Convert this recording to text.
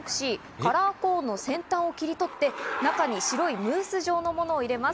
カラーコーンの先端を切り取って、中に白いムース状のものを入れます。